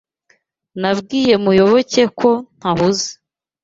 Nabwiye Muyoboke ko ntahuze.